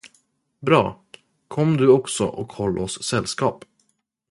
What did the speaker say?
Bra. Kom du också och håll oss sällskap.